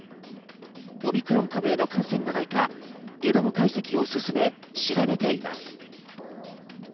オミクロン株への感染がないかゲノム解析を進め、調べています。